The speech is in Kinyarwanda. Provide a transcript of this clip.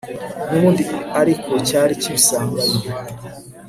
n'ubundi ariko cyari kibisanganywe